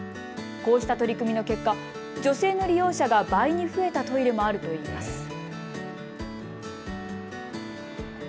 こうした取り組みの結果、女性の利用者が倍に増えたトイレもあるといいます。